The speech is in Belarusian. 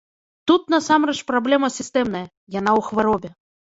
Тут насамрэч праблема сістэмная, яна ў хваробе.